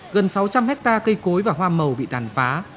gần sáu trăm linh hectare cây cối và hoa màu bị đàn phá